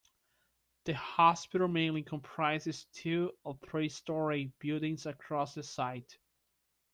The hospital mainly comprises two or three storey buildings across the site.